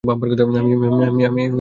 আমি এখন পুলিশ নই।